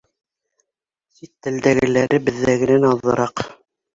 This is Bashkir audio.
Сит телдәгеләре беҙҙәгенән аҙыраҡ.